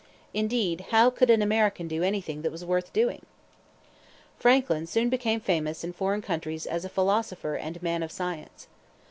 Indeed, how could an American do anything that was worth doing? Franklin soon became famous in foreign countries as a philosopher and man of science.